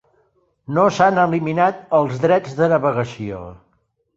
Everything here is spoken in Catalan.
No s'han eliminat els drets de navegació.